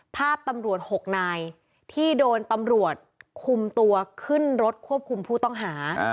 ภาพตำรวจ๖นายที่โดนตำรวจคุมตัวขึ้นรถควบคุมผู้ต้องหา